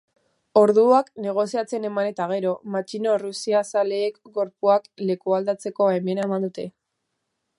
Orduak negoziatzen eman eta gero, matxino errusiazaleek gorpuak lekualdatzeko baimena eman dute.